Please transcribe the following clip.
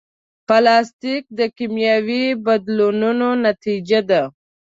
پلاستيک د کیمیاوي بدلونونو نتیجه ده.